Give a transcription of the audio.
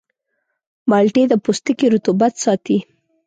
مالټې د پوستکي رطوبت ساتي.